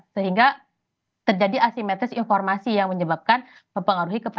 sehingga terjadi asimetris informasi yang menyebabkan mempengaruhi kepercayaan